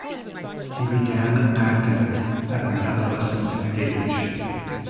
He began acting at an adolescent age.